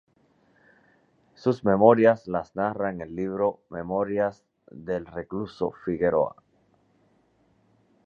Sus experiencias las narra en el libro "Memorias del recluso Figueroa".